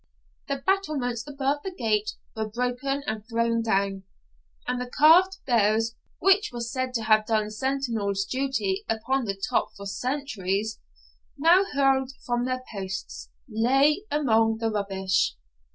The battlements above the gate were broken and thrown down, and the carved bears, which were said to have done sentinel's duty upon the top for centuries, now, hurled from their posts, lay among the rubbish.